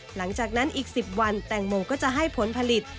หลังจากนั้นอีก๑๐วันแตงโมก็จะให้ผลผลิต